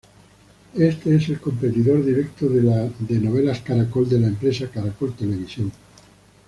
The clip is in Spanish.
Este es el competidor directo de Novelas Caracol de la empresa Caracol Televisión.